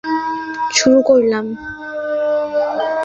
তাই খুবই যত্নের সাথে এর প্রচ্ছদ ও মুদ্রণের কাজ শুরু করলাম।